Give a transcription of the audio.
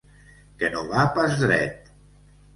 Que no va pas dret.